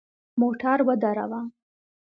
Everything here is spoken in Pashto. موټر ودروه !